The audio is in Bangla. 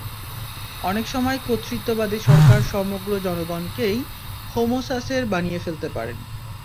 অনেক সময় কর্তৃত্ববাদী সরকার সমগ্র জনগণকেই হোমো সাসের বানিয়ে ফেলতে পারে।